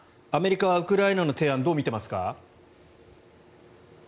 アメリカはウクライナの提案をどう見ていますか？